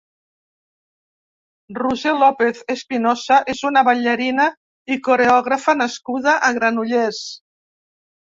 Roser López Espinosa és una ballarina i coreògrafa nascuda a Granollers.